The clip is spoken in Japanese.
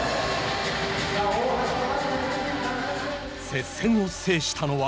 接戦を制したのは。